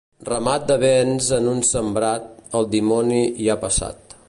Ramat de bens en un sembrat, el dimoni hi ha passat.